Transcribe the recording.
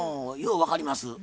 よう分かります。